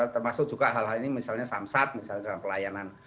termasuk juga hal hal ini misalnya samsat misalnya dalam pelayanan